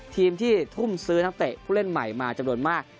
ทีมที่ทุ่มซื้อนักเตะผู้เล่นใหม่มาจำนวนมาก